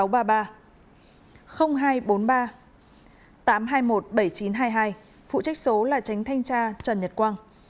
hai trăm bốn mươi ba tám trăm hai mươi một bảy nghìn chín trăm hai mươi hai phụ trách số là tránh thanh tra trần nhật quang